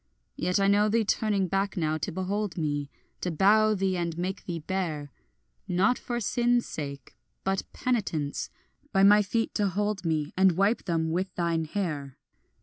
Yet I know thee turning back now to behold me, To bow thee and make thee bare, Not for sin's sake but penitence, by my feet to hold me, And wipe them with thine hair.